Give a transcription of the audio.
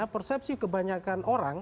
persepsi kebanyakan orang